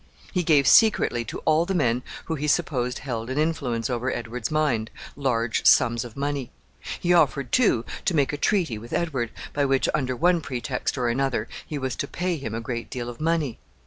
He gave secretly to all the men who he supposed held an influence over Edward's mind, large sums of money. He offered, too, to make a treaty with Edward, by which, under one pretext or another, he was to pay him a great deal of money.